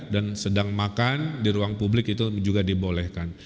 dan sedang makan di ruang publik itu juga dibolehkan